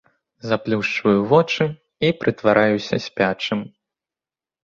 Заплюшчваю вочы і прытвараюся спячым.